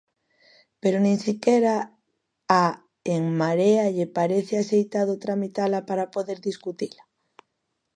¿Pero nin sequera a En Marea lle parece axeitado tramitala para poder discutila?